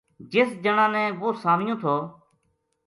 جس جنا نے وہ سامیو تھو